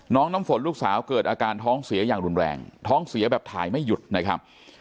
น้ำฝนลูกสาวเกิดอาการท้องเสียอย่างรุนแรงท้องเสียแบบถ่ายไม่หยุดนะครับ